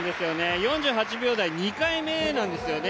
４８秒台、２回目なんですよね。